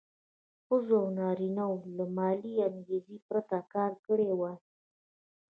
ښځو او نارینه وو له مالي انګېزې پرته کار کړی وای.